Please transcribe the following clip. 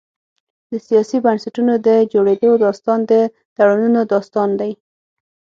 د سیاسي بنسټونو د جوړېدو داستان د تړونونو داستان دی.